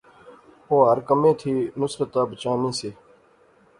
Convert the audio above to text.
او ہر کمے تھی نصرتا بچانی سی